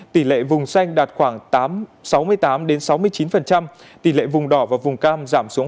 tỷ lệ vùng xanh đạt khoảng sáu mươi tám sáu mươi chín tỷ lệ vùng đỏ và vùng cam giảm xuống